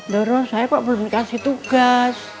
doro saya kok belum kasih tugas